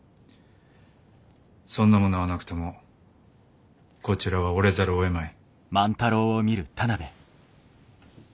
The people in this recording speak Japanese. そんなものはなくてもこちらは折れざるをえまい。